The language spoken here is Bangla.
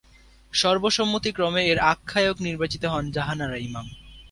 সর্বসম্মতিক্রমে এর আহ্বায়ক নির্বাচিত হন জাহানারা ইমাম।